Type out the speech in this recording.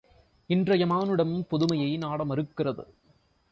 இன்றைய மானுடம் பொதுமையை நாட மறுக்கிறது.